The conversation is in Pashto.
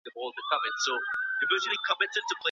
آیا افغان مېرمني د مېوو په پاکولو کي کار کوي؟.